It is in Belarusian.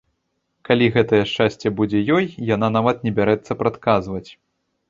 Калі гэтае шчасце будзе ёй, яна нават не бярэцца прадказваць.